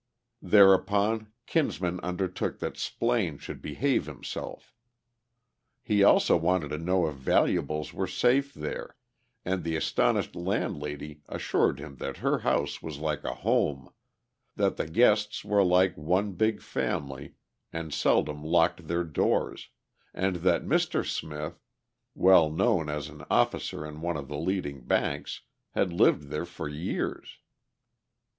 Thereupon, Kinsman undertook that Splaine should behave himself. He also wanted to know if valuables were safe there, and the astonished landlady assured him that her house was like a home, that the guests were like one big family and seldom locked their doors, and that Mr. Smith, well known as an officer in one of the leading banks, had lived there for years.